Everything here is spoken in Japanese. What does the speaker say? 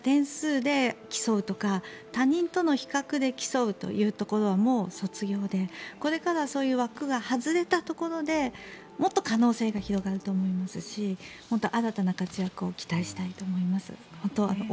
だから点数で競うとか他人との比較で競うというところはもう卒業でこれからはそういう枠が外れたところでもっと可能性が広がると思いますし新たな活躍を期待したいと思います。